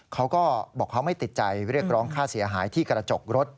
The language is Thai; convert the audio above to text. เขาก็บอกเขาไม่ติดใจเรียกร้องค่าเสียหายที่กระจกรถ